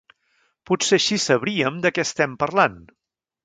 Potser així sabríem de què estem parlant.